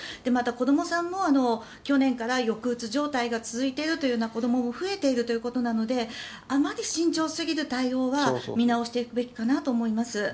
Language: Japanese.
また、子どもさんも去年から抑うつ状態が続いているというお子さんも増えているということなのであまり慎重すぎる対応は見直していくべきだと思います。